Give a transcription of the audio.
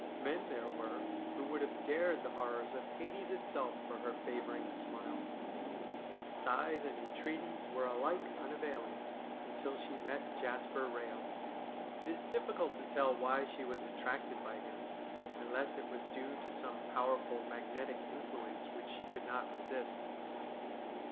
Men there were who would have dared the horrors of Hades itself for her favouring smile. But sighs and entreaties were alike unavailing until she met Jasper Eehel. It is diffi cult to tell why she was attracted by him, unless it was due to some powerful magnetic influence which she could not resist.